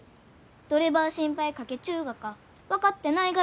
どればあ心配かけちゅうがか分かってないがよ。